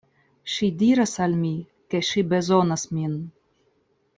Ŝi diras al mi, ke ŝi bezonas min.